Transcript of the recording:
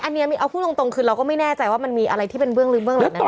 อันนี้เอาพูดตรงคือเราก็ไม่แน่ใจว่ามันมีอะไรที่เป็นเบื้องลึกเบื้องหลังแน่